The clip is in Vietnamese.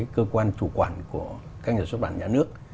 cơ quan chủ quản của các nhà xuất bản nhà nước